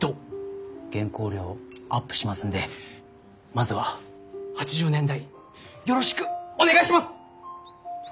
原稿料アップしますんでまずは８０年代よろしくお願いします！